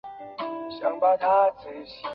他是犹太人。